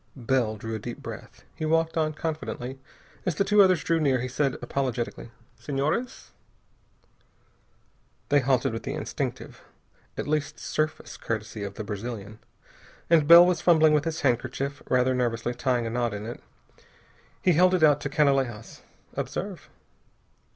Bell drew a deep breath. He walked on, confidently. As the two others drew near he said apologetically: "Senhores." They halted with the instinctive, at least surface, courtesy of the Brazilian. And Bell was fumbling with his handkerchief, rather nervously tying a knot in it. He held it out to Canalejas. "Observe."